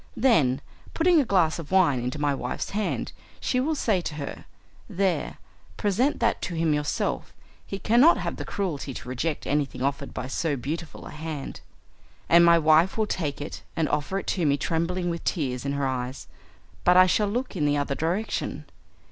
Then, putting a glass of wine into my wife's hand, she will say to her, "There, present that to him yourself, he cannot have the cruelty to reject anything offered by so beautiful a hand," and my wife will take it and offer it to me tremblingly with tears in her eyes, but I shall look in the other direction.